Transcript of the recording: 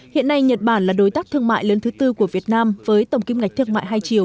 hiện nay nhật bản là đối tác thương mại lớn thứ tư của việt nam với tổng kim ngạch thương mại hai triệu